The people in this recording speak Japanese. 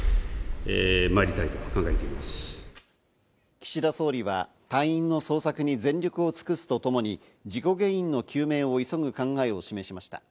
岸田総理は隊員の捜索に全力を尽くすとともに、事故原因の究明を急ぐ考えを示しました。